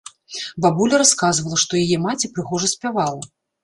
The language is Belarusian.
Бабуля расказвала, што яе маці прыгожа спявала.